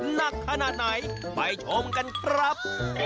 หนักขนาดไหนไปชมกันครับ